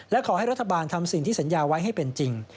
และขอให้รัฐบาลทำสิ่งที่สัญญาไว้ให้เป็นจริง